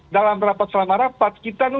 dalam rapat selama rapat